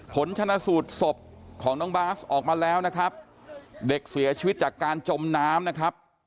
ผลชนะสูตรศพของน้องบาสออกมาแล้วนะครับเด็กเสียชีวิตจากการจมน้ำนะครับ